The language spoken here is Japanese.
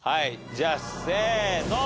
じゃあせーの。